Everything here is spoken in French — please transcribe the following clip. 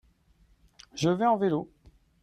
Je vais en vélo.